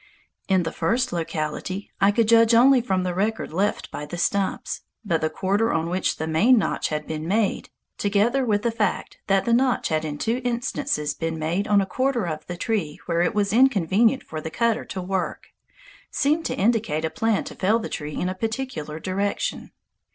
In the first locality, I could judge only from the record left by the stumps; but the quarter on which the main notch had been made, together with the fact that the notch had in two instances been made on a quarter of the tree where it was inconvenient for the cutter to work, seemed to indicate a plan to fell the tree in a particular direction.